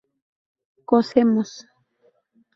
cocemos